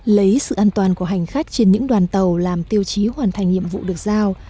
lấy sự an toàn của hành khách trên những đoàn tàu làm tiêu chí hoàn thành nhiệm vụ được giao